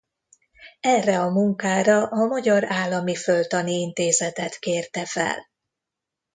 Erre a munkára a Magyar Állami Földtani Intézetet kérte fel.